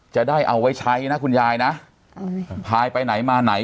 จะได้เอาไว้ใช้นะคุณยายนะพายไปไหนมาไหน